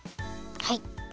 はい。